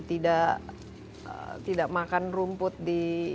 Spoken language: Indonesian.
tidak makan rumput di